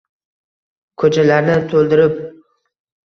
Ko’chalarni to’ldirib